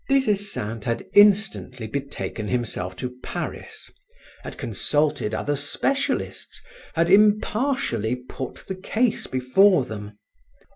Des Esseintes had instantly betaken himself to Paris, had consulted other specialists, had impartially put the case before them.